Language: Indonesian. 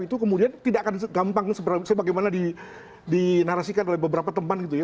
itu kemudian tidak akan gampang sebagaimana dinarasikan oleh beberapa teman gitu ya